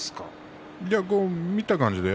見た感じ